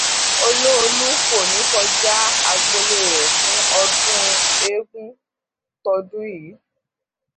Olóòlù kò ni kọ́ja agboolé rẹ̀ fún ọdún eégún tọdún yìí.